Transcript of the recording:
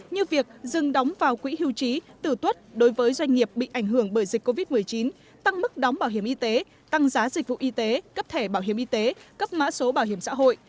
như việc dừng đóng vào quỹ hưu trí tử tuất đối với doanh nghiệp bị ảnh hưởng bởi dịch covid một mươi chín tăng mức đóng bảo hiểm y tế tăng giá dịch vụ y tế cấp thẻ bảo hiểm y tế cấp mã số bảo hiểm xã hội